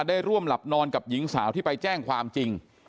ได้ร่วมหลับนอนกับหญิงสาวที่ไปแจ้งความจริง